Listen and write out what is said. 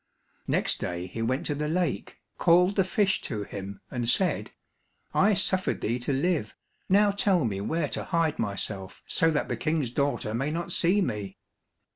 Next day he went to the lake, called the fish to him and said, "I suffered thee to live, now tell me where to hide myself so that the King's daughter may not see me."